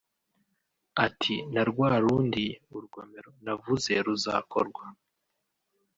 Ati “ Na rwa rundi (urugomero) navuze ruzakorwa